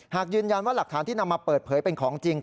หากยืนยันว่าหลักฐานที่นำมาเปิดเผยเป็นของจริง